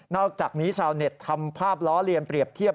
อกจากนี้ชาวเน็ตทำภาพล้อเลียนเปรียบเทียบ